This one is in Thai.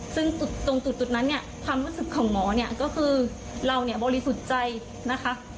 ซึ่งตรงจุดนั้นเนี่ยความรู้สึกของหมอเนี่ยก็คือเราเนี่ยบริสุทธิ์ใจนะคะ